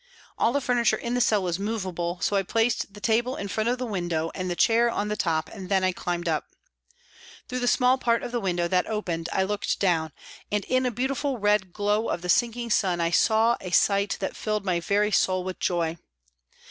All the furniture in the cell was movable, so I placed the table in front of the window and the chair on the top, then I climbed up. Through the small part of the window that opened I looked down, and in a beautiful red WALTON GAOL, LIVERPOOL 279 glow of the sinking sun I saw a sight that filled my very soul with joy.